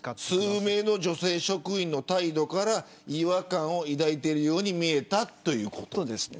数名の女性職員の態度から違和感を抱いているようにそうです。